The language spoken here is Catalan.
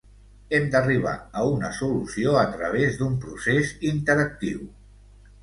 Hem d'arribar a una solució a través d'un procés interactiu.